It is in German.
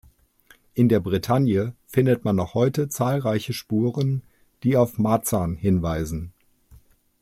In der Bretagne findet man noch heute zahlreiche Spuren, die auf Mazan hinweisen.